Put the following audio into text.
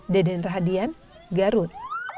deden rahadian garut